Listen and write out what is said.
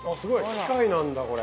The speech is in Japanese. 機械なんだこれ。